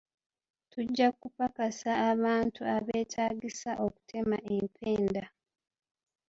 Tujja kupakasa abantu abeetaagisa okutema empenda